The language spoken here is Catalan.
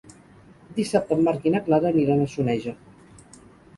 Dissabte en Marc i na Clara aniran a Soneja.